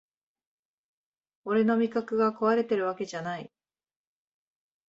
俺の味覚がこわれてるわけじゃない